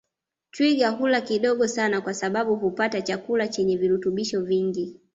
Twiga hula kidogo sana kwa sababu hupata chakula chenye virutubisho vingi